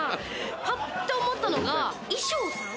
ぱっと思ったのが、衣装さん。